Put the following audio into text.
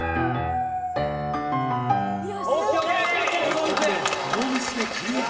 １曲目ノーミスでクリア